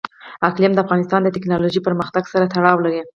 اقلیم د افغانستان د تکنالوژۍ پرمختګ سره تړاو لري.